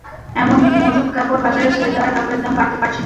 এখন মজুত কাপড় বাজারে ছেড়ে দেওয়ায় কাপড়ের দাম বাড়তে পারছে না।